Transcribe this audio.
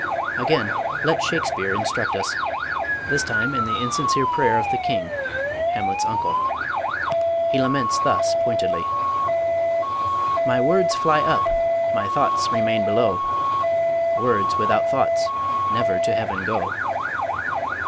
Again let Shakespeare instruct us, this tune in the insincere prayer of the King, Hamlet's uncle. He laments thus pointedly: My words fly up, my thoughts remain below: Words without thoughts never to heaven go.